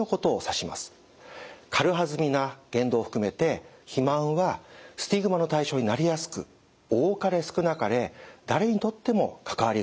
軽はずみな言動を含めて肥満はスティグマの対象になりやすく多かれ少なかれ誰にとっても関わりがあるんです。